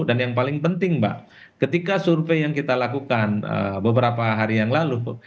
dan yang paling penting mbak ketika survei yang kita lakukan beberapa hari yang lalu